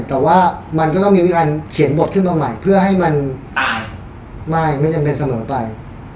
แต่ว่ามันก็ต้องมีการเขียนบทขึ้นมาใหม่เพื่อให้มันไม่จำเป็นเสมอไป